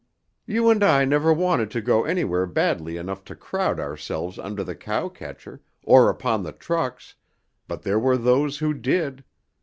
"You and I never wanted to go anywhere badly enough to crowd ourselves under the cow catcher, or upon the trucks, but there were those who did.